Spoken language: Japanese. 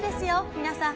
皆さん。